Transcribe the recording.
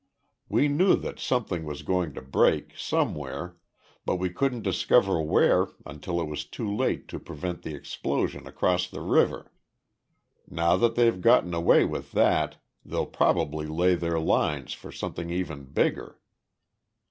We knew that something was going to break, somewhere, but we couldn't discover where until it was too late to prevent the explosion across the river. Now that they've gotten away with that, they'll probably lay their lines for something even bigger."